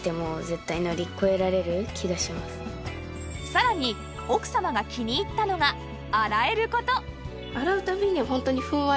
さらに奥様が気に入ったのが洗える事